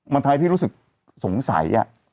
มันทำให้พี่รู้สึกสงสัย